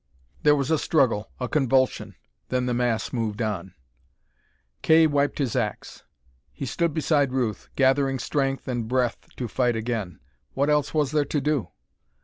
There was a struggle, a convulsion; then the mass moved on. Kay wiped his ax. He stood beside Ruth, gathering strength and breath to fight again. What else was there to do?